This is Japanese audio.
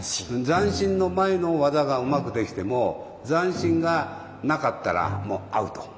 残心の前の技がうまくできても残心がなかったらもうアウト！